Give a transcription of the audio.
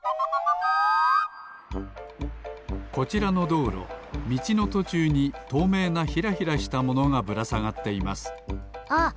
こちらのどうろみちのとちゅうにとうめいなヒラヒラしたものがぶらさがっていますあっ！